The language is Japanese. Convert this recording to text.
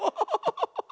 ハッハハ。